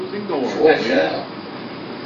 Twata?